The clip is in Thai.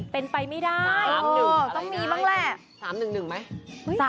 ไม่ไปไม่ได้ต้องมีบ้างแหละ